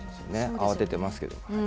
慌ててますけど。